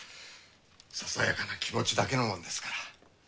ささやかな気持ちだけのもんですから。